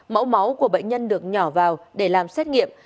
mẫu máu của bệnh nhân được nhỏ vào để làm xét nghiệm